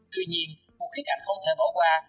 tuy nhiên một khía cạnh không thể bỏ qua